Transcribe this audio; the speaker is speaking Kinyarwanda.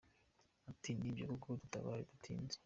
Ati “ Nibyo koko dutabara dutinze.